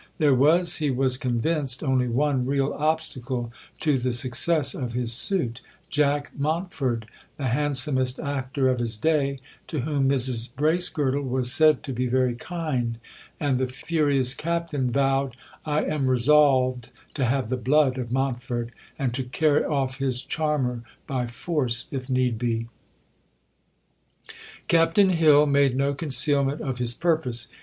There was, he was convinced, only one real obstacle to the success of his suit, Jack Montford, the handsomest actor of his day, to whom Mrs Bracegirdle was said to be very kind; and the furious Captain vowed: "I am resolved to have the blood of Montford, and to carry off his charmer by force if need be." Captain Hill made no concealment of his purpose.